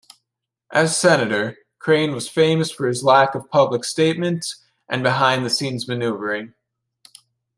As Senator, Crane was famous for his lack of public statements, and behind-the-scenes maneuvering.